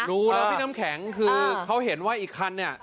ดูแล้วพี่น้ำแข็งคือเขาเห็นว่าอีกคันเนี่ย